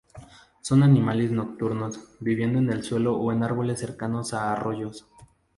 Son animales nocturnos viviendo en el suelo o en árboles cercanos a arroyos.